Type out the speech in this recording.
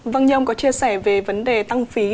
vâng như ông có chia sẻ về vấn đề tăng phí